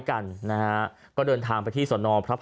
ฟังเสียงคนที่ไปรับของกันหน่อย